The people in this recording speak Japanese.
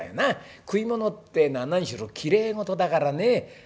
食い物ってえのは何しろきれい事だからね。